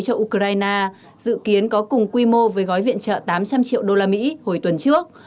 cho ukraine dự kiến có cùng quy mô với gói viện trợ tám trăm linh triệu đô la mỹ hồi tuần trước